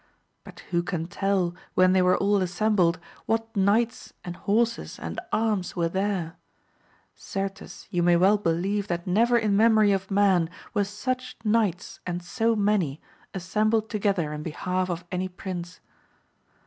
But who can tell when they were all assembled what knights and horses and arms were there ? Certes you may well believe that never in memory of man were such knights, and so many, assembled together in be half of any prince.